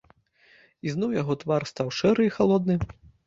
І зноў яго твар стаў шэры і халодны.